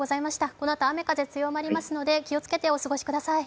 このあと雨風、強まりますので気をつけてお過ごしください。